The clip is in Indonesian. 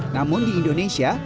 namun di indonesia